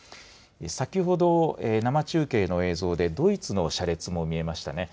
先ほど生中継の映像で、ドイツの車列も見えましたね。